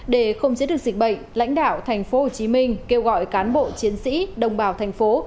để không chế được dịch bệnh lãnh đạo tp hcm kêu gọi cán bộ chiến sĩ đồng bào thành phố